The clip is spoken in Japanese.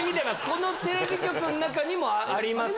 このテレビ局の中にもあります。